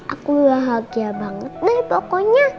aku bahagia banget deh pokoknya